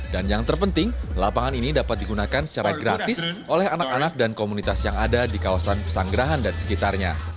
dan yang terpenting lapangan ini dapat digunakan secara gratis oleh anak anak dan komunitas yang ada di kawasan pesanggerahan dan sekitarnya